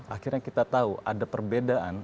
akhirnya kita tahu ada perbedaan